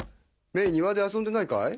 メイ庭で遊んでないかい？